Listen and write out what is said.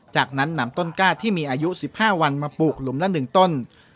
จากนั้นนำต้นกล้าที่มีอายุ๑๕วันมาปลูกหลุมละ๑ต้น